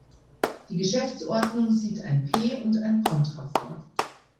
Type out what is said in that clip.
Die Geschäftsordnung sieht ein P- und ein Kontra vor.